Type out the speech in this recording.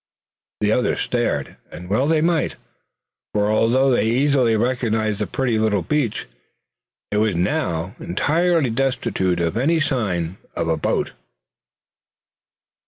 The others stared, and well they might, for although they easily recognized the pretty little beach, it was now entirely destitute of any sign of a boat!